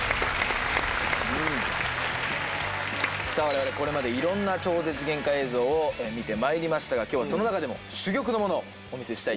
さあわれわれこれまでいろんな超絶限界映像を見てまいりましたが今日はその中でも珠玉のものをお見せしたいと思います。